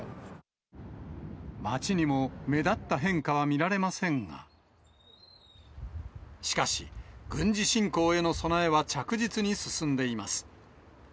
街にも目立った変化は見られませんが、しかし、軍事侵攻への備えは着実に進んでいます。